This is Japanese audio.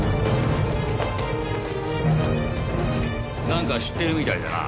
なんか知ってるみたいだな。